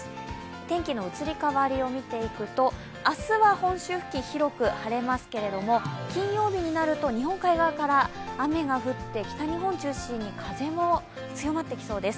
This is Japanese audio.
天気の移り変わりを見ていくと、明日は本州付近広く晴れますけれども金曜日になると、日本海側から雨が降って北日本を中心に風も強まってきそうです。